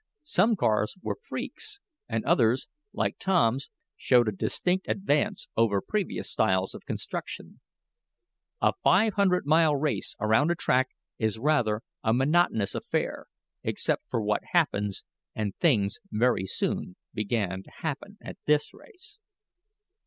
Some cars were "freaks" and others, like Tom's, showed a distinct advance over previous styles of construction. A five hundred mile race around a track is rather a monotonous affair, except for what happens, and things very soon began to happen at this race.